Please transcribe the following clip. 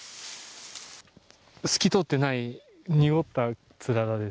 透き通ってない濁ったつららです。